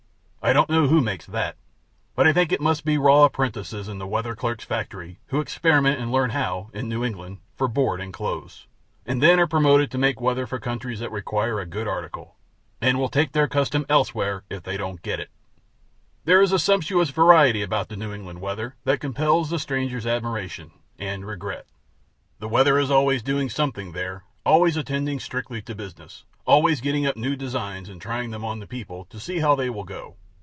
I don't know who makes that, but I think it must be raw apprentices in the weather clerk's factory who experiment and learn how, in New England, for board and clothes, and then are promoted to make weather for countries that require a good article, and will take their custom elsewhere if they don't get it. There is a sumptuous variety about the New England weather that compels the stranger's admiration and regret. The weather is always doing something there; always attending strictly to business; always getting up new designs and trying them on the people to see how they will go.